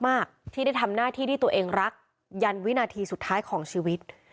มากที่ได้ทำหน้าที่ที่ตัวเองรักยันวินาทีสุดท้ายของชีวิต